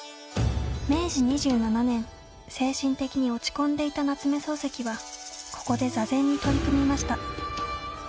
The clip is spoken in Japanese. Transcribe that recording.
明治２７年精神的に落ち込んでいた夏目漱石はここで座禅に取り組みました。